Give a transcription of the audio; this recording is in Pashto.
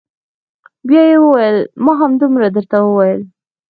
بيا يې وويل ما همدومره درته وويل.